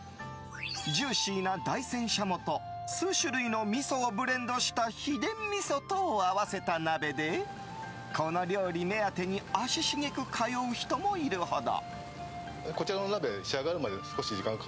ジューシーな大山軍鶏と数種類のみそをブレンドした秘伝みそとを合わせた鍋でこの料理目当てに足しげく通う人もいるほど。